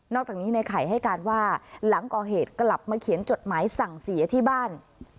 จากนี้ในไข่ให้การว่าหลังก่อเหตุกลับมาเขียนจดหมายสั่งเสียที่บ้าน